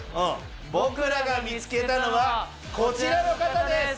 僕らが見つけたのはこちらの方です。